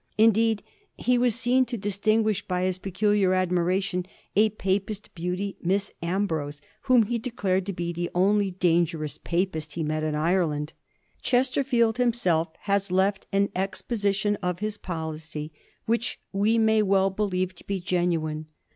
Indeed he was seen to distinguish by his peculiar admiration a Papist beauty, Miss Ambrose, whom he declared to be the only ' dangerous Papist ' he had met in Ireland." Chesterfield himself has left an ex position of his policy which we may well believe to be genuine.